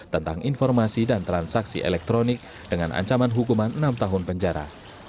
tentang informasi dan transaksi elektronik dengan ancaman hukuman enam tahun penjara